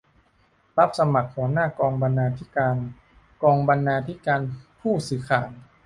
รับสมัครหัวหน้ากองบรรณาธิการ-กองบรรณาธิการ-ผู้สื่อข่าว